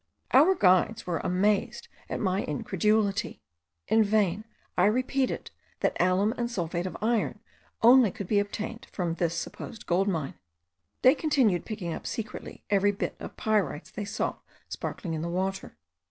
Our guides were amazed at my incredulity. In vain I repeated that alum and sulphate of iron only could be obtained from this supposed gold mine; they continued picking up secretly every bit of pyrites they saw sparkling in the water.